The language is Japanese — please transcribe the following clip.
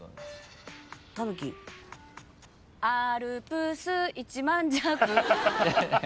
「アルプス１万尺」